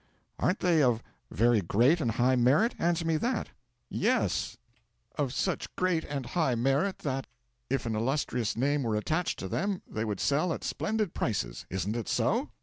'"Aren't they of very great and high merit? Answer me that." '"Yes." '"Of such great and high merit that, if an illustrious name were attached to them they would sell at splendid prices. Isn't it so?"